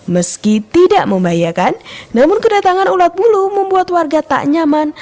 meski tidak membahayakan namun kedatangan ulat bulu membuat warga tak nyaman